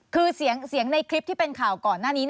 คือเสียงในคลิปที่เป็นข่าวก่อนหน้านี้